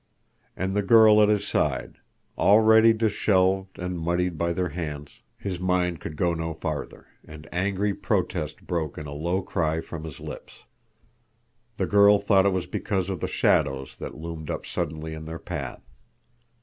And the girl at his side, already disheveled and muddied by their hands— His mind could go no farther, and angry protest broke in a low cry from his lips. The girl thought it was because of the shadows that loomed up suddenly in their path.